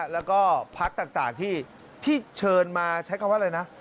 แล้วก็พักต่างที่เชิญมาใช้คำว่าอะไรนะ